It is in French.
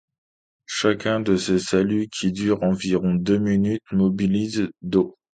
Chacun de ces saluts, qui dure environ deux minutes, mobilise d'eau.